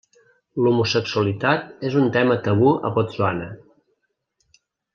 L'homosexualitat és un tema tabú a Botswana.